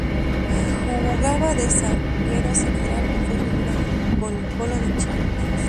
Jugaba de zaguero central y fue figura del Colo-Colo de Chile.